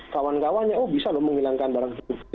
kawan kawannya oh bisa loh menghilangkan barang bukti